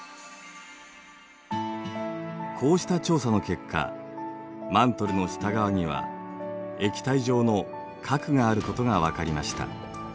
こうした調査の結果マントルの下側には液体状の「核」があることが分かりました。